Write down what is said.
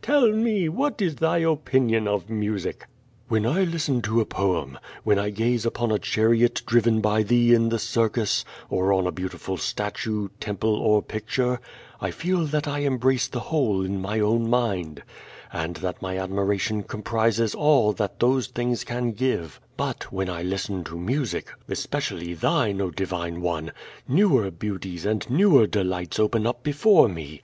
Tell me, what is thy o|)inion of music?" *'When I listen to a ]>oem, when I gaze ui)on a chariot driven by tliee in the circus, or on a beautiful statue, temple i\Y picture, I feel iliat I embrace the whole in my own mind, and that my admiration comprises all that tbose things can pive, but wlien I listen to music, especially thine, oh, divine onel newer beauties and newer delights open up before me.